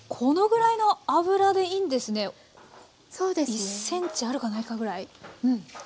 １ｃｍあるかないかぐらい。